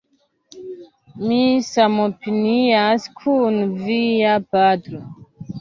Mi samopinias kun via patro